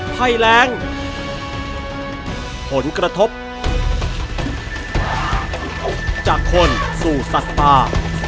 ภัยแรงผลกระทบจากคนสู่สัตว์ป่า